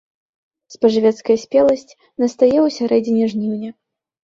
Спажывецкая спеласць настае ў сярэдзіне жніўня.